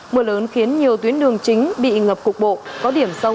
mưa lớn khiến nhiều tuyến đường chính bị ngập cục bộ có điểm sâu hơn sáu mươi cm